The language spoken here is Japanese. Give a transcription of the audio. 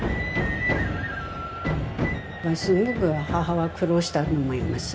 すごく母は苦労したと思います。